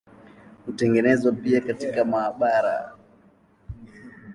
Hutengenezwa pia katika maabara.